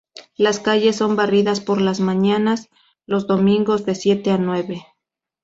Las calles son barridas por la mañana los domingos de siete a nueve.